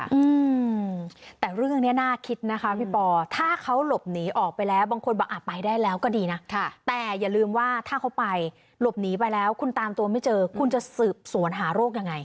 อืมแต่เรื่องเนี้ยน่าคิดนะคะพี่ปอถ้าเขาหลบหนีออกไปแล้วบางคนบอกอ่ะไปได้แล้วก็ดีนะค่ะแต่อย่าลืมว่าถ้าเขาไปหลบหนีไปแล้วคุณตามตัวไม่เจอคุณจะสืบสวนหาโรคยังไง